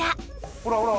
ほらほら！